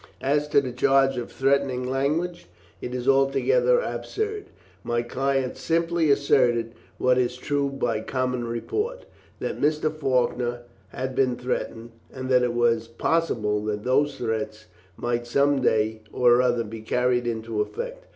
As to the charge of threatening language, it is altogether absurd. My client simply asserted what is true by common report that Mr. Faulkner had been threatened, and that it was possible that those threats might some day or other be carried into effect.